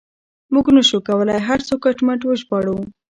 موږ نه شو کولای هر څه کټ مټ وژباړو.